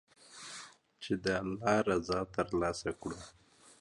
چې د الله رضا تر لاسه کړو.